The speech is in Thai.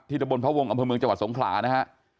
ตะบนพระวงศ์อำเภอเมืองจังหวัดสงขลานะฮะ